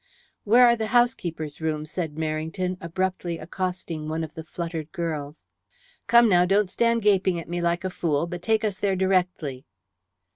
"Where are the housekeeper's rooms?" said Merrington, abruptly accosting one of the fluttered girls. "Come now, don't stand gaping at me like a fool, but take us there directly."